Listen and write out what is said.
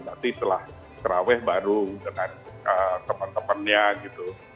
nanti setelah terawih baru dengan teman temannya gitu